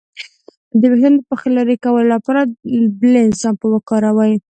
د ویښتانو پخې لرې کولو لپاره بیلینزر شامپو وکاروئ.